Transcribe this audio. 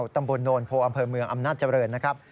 ตำบลโนนโพอำเภอเมืองอำนาจเจริญนะครับ